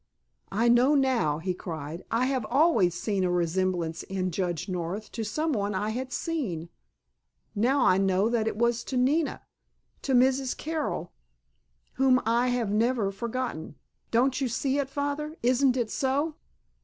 "I know now," he cried; "I have always seen a resemblance in Judge North to some one I had seen. Now I know that it was to Nina—to Mrs. Carroll—whom I have never forgotten. Don't you see it, Father? Isn't it so?"